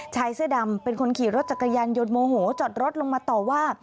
ชายเสื้อดำเป็นคนขี่รถจักรยานยนต์โมโหจอดรถลงมาต่อว่า